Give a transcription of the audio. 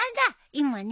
今ね